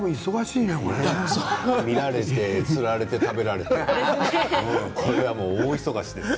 見られて、釣られて食べられて大忙しですよ。